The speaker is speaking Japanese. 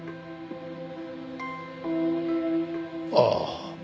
ああ。